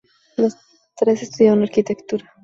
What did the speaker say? Los tres estudiaron arquitectura.